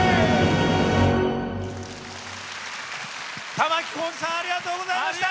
玉置浩二さんありがとうございました。